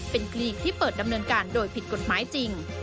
เป็นกลีกที่เปิดดำเนินการโดยผิดกฎหมายจริง